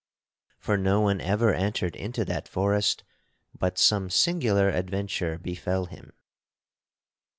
For no one ever entered into that forest but some singular adventure befell him.)